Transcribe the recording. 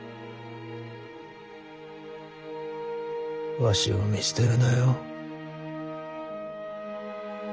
わしを見捨てるなよ。